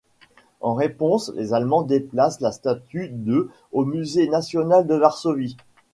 En réponse, les Allemands déplacent la statue de au musée national de Varsovie.